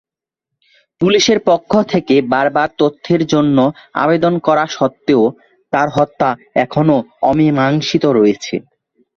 পুলিশের পক্ষ থেকে বারবার তথ্যের জন্য আবেদন করা সত্ত্বেও, তার হত্যা এখনও অমীমাংসিত রয়েছে।